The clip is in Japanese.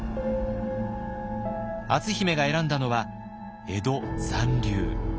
篤姫が選んだのは江戸残留。